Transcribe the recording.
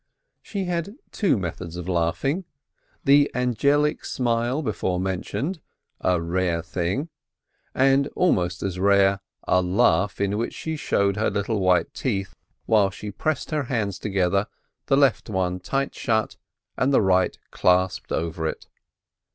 She had two methods of laughing. The angelic smile before mentioned—a rare thing—and, almost as rare, a laugh in which she showed her little white teeth, whilst she pressed her hands together, the left one tight shut, and the right clasped over it.